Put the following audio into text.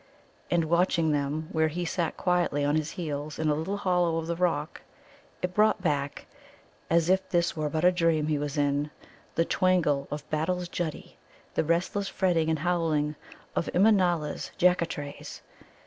And, watching them where he sat quietly on his heels in a little hollow of the rock, it brought back, as if this were but a dream he was in, the twangle of Battle's Juddie, the restless fretting and howling of Immanâla's Jaccatrays.